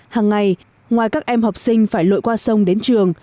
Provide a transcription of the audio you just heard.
hàng ngày ngoài các em học sinh phải lội qua sông đến trường